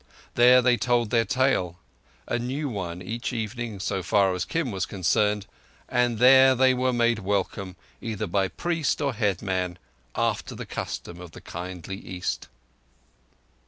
There they told their tale—a new one each evening so far as Kim was concerned—and there were they made welcome, either by priest or headman, after the custom of the kindly East.